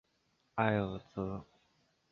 埃尔泽。